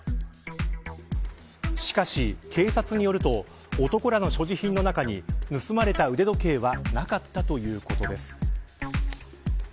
しかし警察によると男らの所持品の中に盗まれた腕時計はなかったということです。